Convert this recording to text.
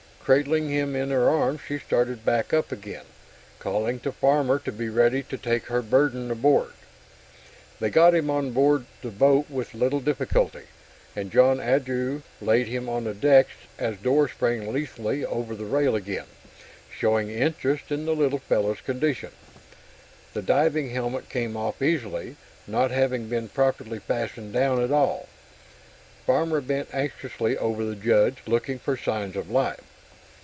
Cradling him in her arms, she started back up again, calling to Farmer to be ready to take her burden aboard. They got him on the boat with little difficulty, and John Andrew laid him on the deck as Dor sprang lithely over the rail again, showing interest in the little fellow's condition. The diving helmet came off easily, not having been properly fastened down at all. Farmer bent anxiously over the Judge, looking for signs of life.